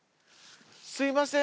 すいません。